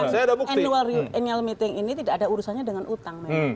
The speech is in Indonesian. annual annual meeting ini tidak ada urusannya dengan utang